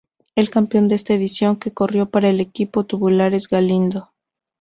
El campeón de esta edición que corrió para el equipo Tubulares Galindo.